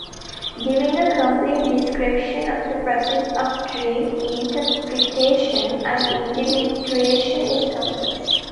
Giving a complete description of the process of dream interpretation and individuation is complex.